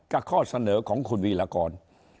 ข้อเสนอของคุณวีรกร